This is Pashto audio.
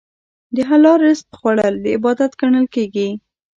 د حلال رزق خوړل عبادت ګڼل کېږي.